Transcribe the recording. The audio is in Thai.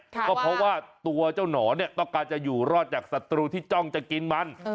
ก็เพราะว่าตัวเจ้าหนอนเนี่ยต้องการจะอยู่รอดจากศัตรูที่จ้องจะกินมัน